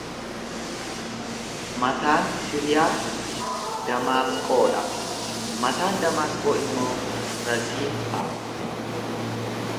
Mataan Siriyaa Damaasqoo dha, mataan Damaasqoo immoo Raziin dha.